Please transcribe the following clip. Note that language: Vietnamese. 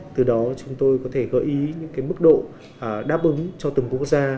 từ đó chúng tôi có thể gợi ý những cái mức độ đáp ứng cho từng quốc gia